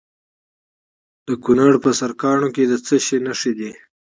د کونړ په سرکاڼو کې د څه شي نښې دي؟